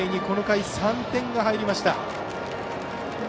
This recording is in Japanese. この回３点が入りました。